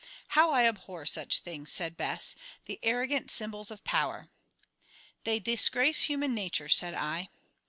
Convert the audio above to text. "How I abhor such things," said Bess; "the arrogant symbols of power." "They disgrace human nature," said I.